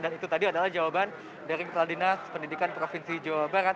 dan itu tadi adalah jawaban dari ketua dinas pendidikan provinsi jawa barat